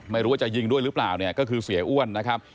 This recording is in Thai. ไม่รู้ว่าจะยิงด้วยหรือเปล่าเนี่ยก็คือเสียอ้วนนะครับ